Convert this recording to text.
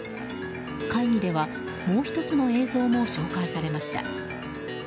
会議では、もう１つの映像も紹介されました。